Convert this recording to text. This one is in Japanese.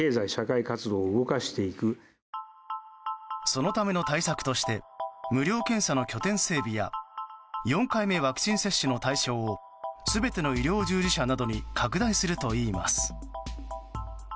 そのための対策として無料検査の拠点整備や４回目ワクチン接種の対象を全ての医療従事者などに拡大するといいます。